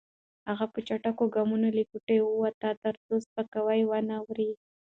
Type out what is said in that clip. هغه په چټکو قدمونو له کوټې ووته ترڅو سپکاوی ونه اوري.